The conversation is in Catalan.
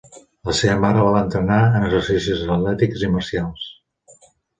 La seva mare la va entrenar en exercicis atlètics i marcials.